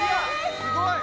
すごい！